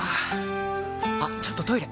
あっちょっとトイレ！